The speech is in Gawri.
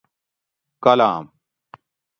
کالام